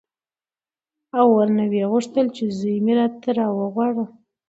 او ورنه ویې غوښتل چې زوی مې راته راوغواړه.